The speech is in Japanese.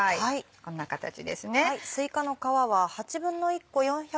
こんな形ですね。